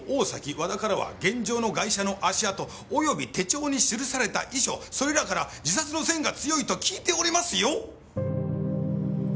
和田からは現場のガイシャの足跡および手帳に記された遺書それらから自殺の線が強いと聞いておりますよ。